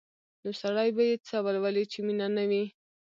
نو سړی به یې څه ولولي چې مینه نه وي؟